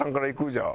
じゃあ。